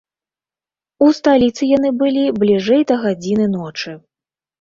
У сталіцы яны былі бліжэй да гадзіны ночы.